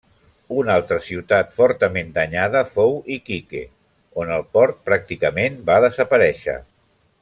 Una altra ciutat fortament danyada fou Iquique, on el port pràcticament va desaparèixer.